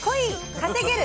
稼げる！